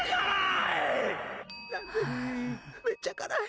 めっちゃ辛い！